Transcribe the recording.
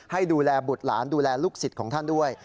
ให้ดูแลบุตรหลานดูแลลูกศิษย์ของท่านด้วย